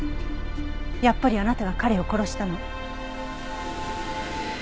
やっぱりあなたが彼を殺したの？